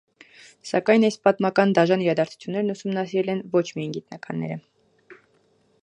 Սակայն այս պատմական դաժան իրադարձություններն ուսումնասիրել են ոչ միայն գիտնականները։